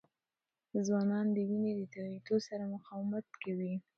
ځوانان د وینې د تویېدو سره مقاومت کوي.